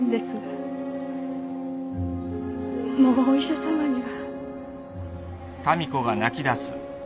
もうお医者さまには。